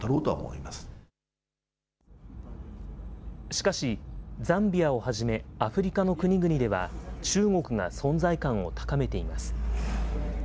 しかし、ザンビアをはじめ、アフリカの国々では中国が存在感を高めています。